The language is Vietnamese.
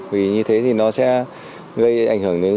vì như thế thì nó sẽ gây ảnh hưởng